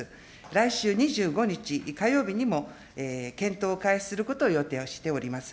来週２５日火曜日にも、検討を開始することを予定をしております。